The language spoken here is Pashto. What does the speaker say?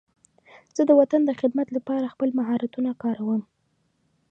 زه د وطن د خدمت لپاره خپل مهارتونه کاروم.